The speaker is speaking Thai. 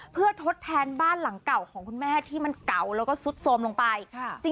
เพื่อทดแทนบ้านหลังเก่าของคุณแม่ที่มันเก่าแล้วก็ซุดโทรมลงไป